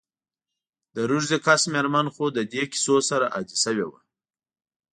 د روږدې کس میرمن خو د دي کیسو سره عادي سوي وه.